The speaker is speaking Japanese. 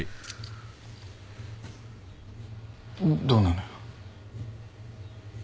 どうなのよ？